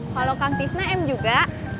kalau kang fisna em juga